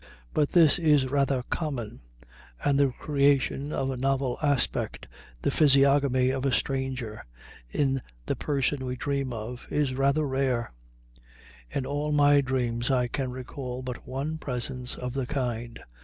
But this is rather common, and the creation of a novel aspect, the physiognomy of a stranger, in the person we dream of, is rather rare. In all my dreams I can recall but one presence of the kind.